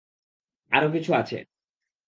আরো কিছু আছে।